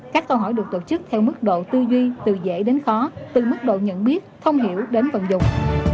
các câu hỏi được tổ chức theo mức độ tư duy từ dễ đến khó từ mức độ nhận biết thông hiểu đến vận dụng